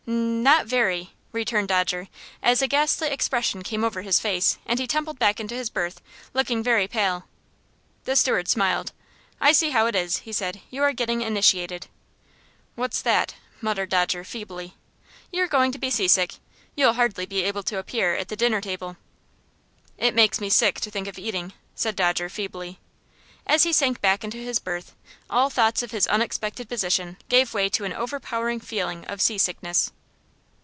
"N not very," returned Dodger, as a ghastly expression came over his face, and he tumbled back into his berth, looking very pale. The steward smiled. "I see how it is," he said; "you are getting initiated." "What's that?" muttered Dodger, feebly. "You're going to be seasick. You'll hardly be able to appear at the dinner table." "It makes me sick to think of eating," said Dodger, feebly. As he sank back into his berth, all thoughts of his unexpected position gave way to an overpowering feeling of seasickness.